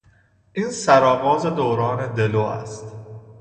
این سرآغاز دوران دلو است.